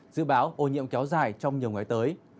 dự báo ô nhiễm kéo dài trong nhiều ngày tới